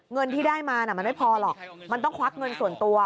เงินที่ได้มาน่ะมันไม่พอหรอกมันต้องควักเงินส่วนตัว